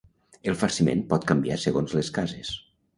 el farciment pot canviar segons les cases